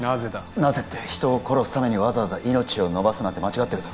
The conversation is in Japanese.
なぜって人を殺すためにわざわざ命を延ばすなんて間違ってるだろ